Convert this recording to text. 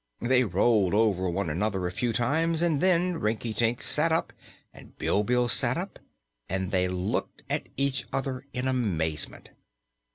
They rolled over one another a few times and then Rinkitink sat up and Bilbil sat up and they looked at each other in amazement.